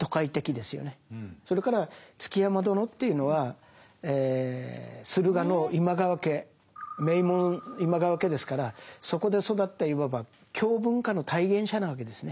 それから築山殿というのは駿河の今川家名門今川家ですからそこで育ったいわば京文化の体現者なわけですね。